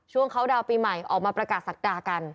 ช่วงเขาเดาปีใหม่ออกมาประกาศศักดากัน